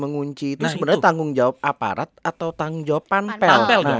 tangan kunci itu sebenernya tanggung jawab aparat atau tanggung jawab panpel